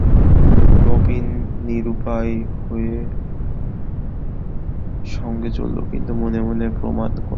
নবীন নিরুপায় হয়ে সঙ্গে চলল, কিন্তু মনে মনে প্রমাদ গনলে।